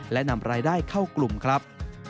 และนำรายได้เข้ากลุ่มครับ